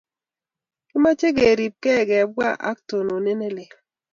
kimache keripkei kebwa ak tononet ne lel